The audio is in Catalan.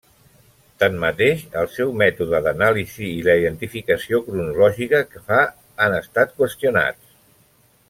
Tanmateix, el seu mètode d'anàlisi i la identificació cronològica que fa han estat qüestionats.